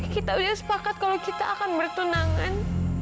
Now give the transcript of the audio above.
kita udah sepakat kalau kita akan bertunangan